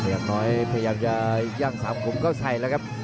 อย่างน้อยพยายามจะย่าง๓ขุมเข้าใส่แล้วครับ